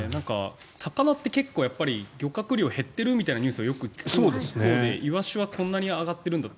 魚って結構、漁獲量が減ってるというニュースがある一方でイワシはこんなに上がっているんだと。